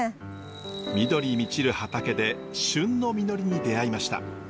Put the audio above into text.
緑満ちる畑で旬の実りに出会いました。